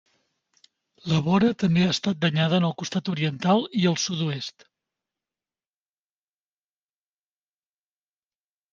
La vora també ha estat danyada en el costat oriental i al sud-oest.